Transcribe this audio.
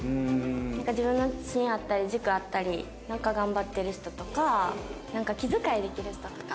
なんか自分の芯あったり軸あったりなんか頑張ってる人とかなんか気遣いできる人とか。